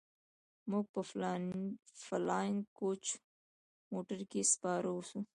موږ په فلاينګ کوچ موټر کښې سپاره سو.